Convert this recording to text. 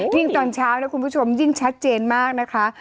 ตอนเช้านะคุณผู้ชมยิ่งชัดเจนมากนะคะ